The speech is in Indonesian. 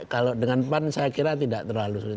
kalau dengan pan saya kira tidak terlalu sulit